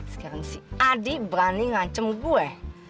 sekarang si adi berani nganceng gue